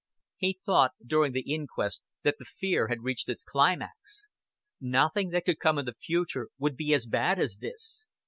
He thought during the inquest that the fear had reached its climax. Nothing that could come in the future would be as bad as this.